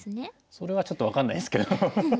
それはちょっと分かんないんですけど。